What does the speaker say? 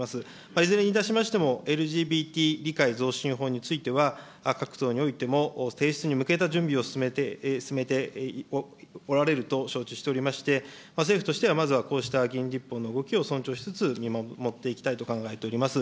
いずれにいたしましても、ＬＧＢＴ理解増進法については、各党においても、提出に向けた準備を進めて、進めておられると承知しておりまして、政府としてはまずはこうした議員立法の動きを尊重しつつ、見守っていきたいと考えております。